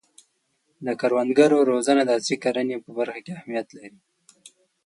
د کروندګرو روزنه د عصري کرنې په برخه کې اهمیت لري.